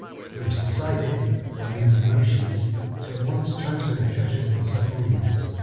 It was decided, by means of motions, to at once transfer the treasure to the submarine.